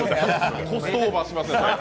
コストオーバーしますよね。